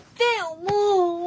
もう。